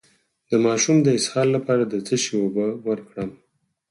د ماشوم د اسهال لپاره د څه شي اوبه ورکړم؟